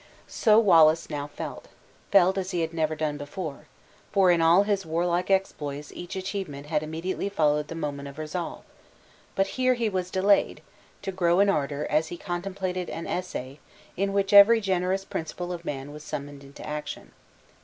So Wallace now felt felt as he had never done before; for in all his warlike exploits each achievement had immediately followed the moment of resolve; but here he was delayed, to grow in ardor as he contemplated an essay in which every generous principle of man was summoned into action.